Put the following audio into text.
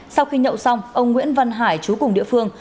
sau khi nhậu xong ông nguyễn văn hải chú cùng địa phương